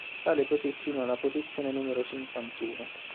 Sale così fino alla posizione numero cinquantuno.